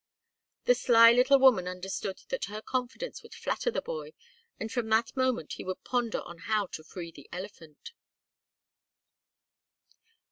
The sly little woman understood that her confidence would flatter the boy and from that moment he would ponder on how to free the elephant.